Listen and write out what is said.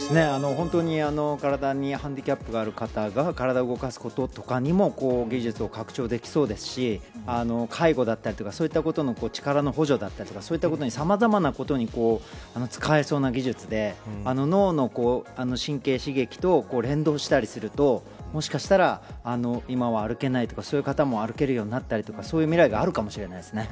本当に、体にハンディキャップがある方が体を動かすこととかにも技術を拡張できそうですし介護だったりとかそういった力の補助だったりそういったさまざまなことに使えそうな技術で脳の神経刺激と連動したりするともしかしたら今は歩けないとかそういう方も歩けるようになったりそういう未来があるかもしれませんね。